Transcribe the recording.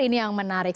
ini yang menarik